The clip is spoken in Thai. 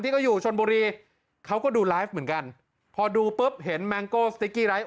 เขาอยู่ชนบุรีเขาก็ดูไลฟ์เหมือนกันพอดูปุ๊บเห็นแมงโก้สติ๊กกี้ไลฟ์